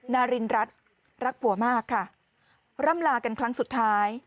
นารินรัฐรักผัวมากค่ะร่ำลากันครั้งสุดท้าย